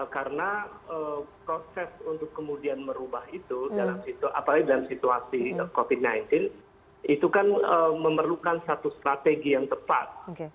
karena proses untuk kemudian merubah itu apalagi dalam situasi covid sembilan belas itu kan memerlukan satu strategi yang tepat